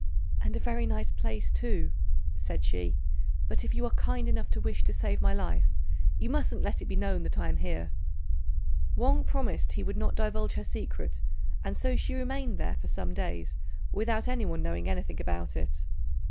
"And a very nice place, too," said she; "but if you are kind enough to wish to save my life, you mustn't let it be known that I am here." Wang promised he would not divulge her secret, and so she remained there for some days without anyone knowing anything about it.